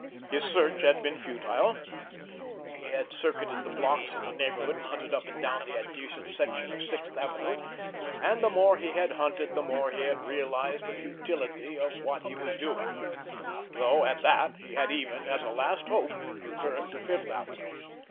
His search had been futile. He had circuited the blocks in the neighborhood, and hunted up and down the adjacent section of Sixth Avenue; and the more he had hunted the more he had realized the futility of what he was doing, though, at that, he had even, as a last hope, returned by Fifth Avenue.